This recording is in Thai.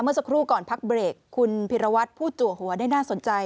เมื่อสักครู่ก่อนพักเบรกคุณพิรวัตรพูดจัวหัวได้น่าสนใจ